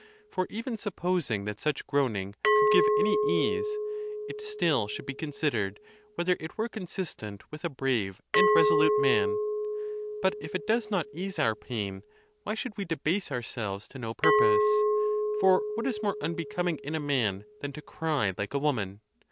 For even supposing that such groaning could give any ease, it still should be considered whether it were consistent with a brave and resolute man. But if it does not ease our pain, why should we debase ourselves to no purpose? For what is more unbecoming in a man than to cry like a woman?